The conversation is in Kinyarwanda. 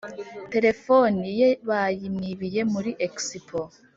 telefoni ye bayi mwibiye muri expo